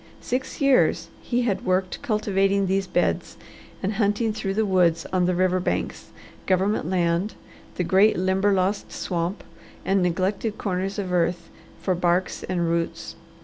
Six years he had worked cultivating these beds, and hunting through the woods on the river banks, government land, the great Limberlost Swamp, and neglected corners of earth for barks and roots.